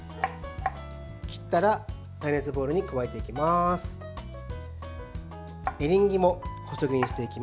切ったら耐熱ボウルに加えていきます。